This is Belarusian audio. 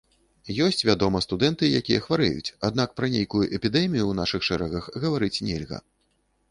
Ёсць, вядома, студэнты, якія хварэюць, аднак пра нейкую эпідэмію ў нашых шэрагах гаварыць нельга.